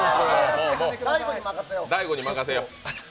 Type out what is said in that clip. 大悟に任せよう。